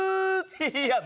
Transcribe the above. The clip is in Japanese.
いや。